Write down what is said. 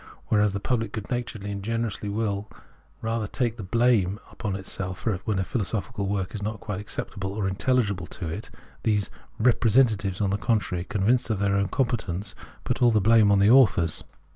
Whereas the pubhc good naturedly and generously will rather take the blame upon itself when a philosophical work is not quite acceptable or intelhgible to it, these " re presentatives," on the contrary, convinced of their own competence, put all the blame on the authors.